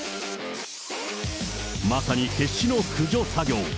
まさに決死の駆除作業。